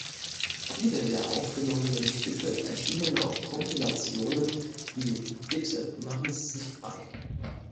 Viele der aufgenommenen Stücke erschienen auf Kompilationen wie „Bitte, Machen Sie Sich Frei!